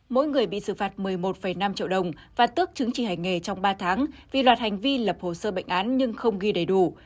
mỗi người bị xử phạt một mươi một năm triệu đồng và tước chứng chỉ hành nghề trong ba tháng vì loạt hành vi lập hồ sơ bệnh án nhưng không ghi đầy đủ